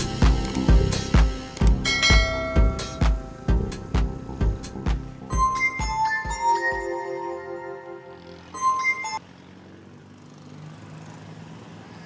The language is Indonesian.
dan tema keamanan kita tuh bebasan